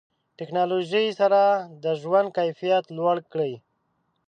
ټکنالوژي سره د ژوند کیفیت لوړ کړئ.